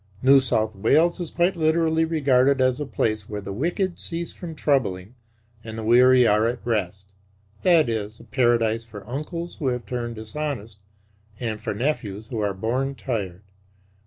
New South Wales is quite literally regarded as a place where the wicked cease from troubling and the weary are at rest; that is, a paradise for uncles who have turned dishonest and for nephews who are born tired.